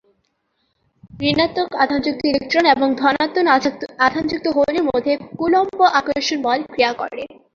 ঋণাত্মক আধানযুক্ত ইলেকট্রন এবং ধনাত্মক আধানযুক্ত হোলের মধ্যে ‘কুলম্ব আকর্ষণ বল’ ক্রিয়া করে।